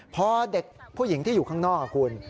พอเด็กผู้หญิงที่อยู่ข้างนอกคุณ